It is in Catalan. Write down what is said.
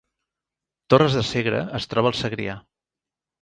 Torres de Segre es troba al Segrià